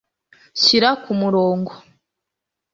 Shyira kumurongo